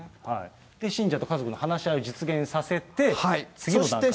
信者と家族の話し合いを実現させて、次の段階。